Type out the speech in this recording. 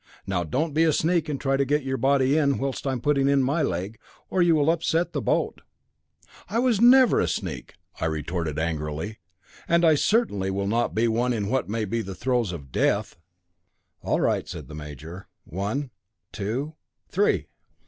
Now, don't be a sneak and try to get in your body whilst I am putting in my leg, or you will upset the boat." "I never was a sneak," I retorted angrily, "and I certainly will not be one in what may be the throes of death." "All right," said the major. "One two three!"